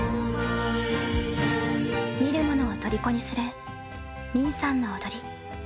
見る者をとりこにする泯さんの踊り。